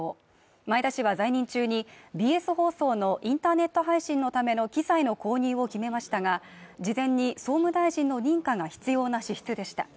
前田氏は在任中にＢＳ放送のインターネット配信のための機材の購入を決めましたが事前に総務大臣の認可が必要な支出でした。